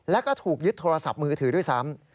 แล้วก็ถูกยึดโทรศัพท์มือถือด้วยซ้ำ